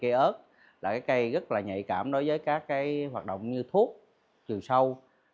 là cái cây ớt là cái cây rất là nhạy cảm đối với các cái hoạt động như thuốc trừ sâu